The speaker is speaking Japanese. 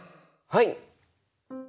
はい。